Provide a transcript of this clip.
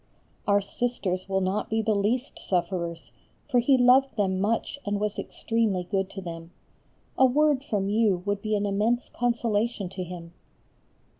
Our Sisters will not be the least sufferers, for he loved them much and was extremely good to them. A word from you would be an immense consolation to him.